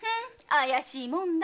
怪しいもんだ。